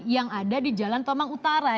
yang ada di jalan tomang utara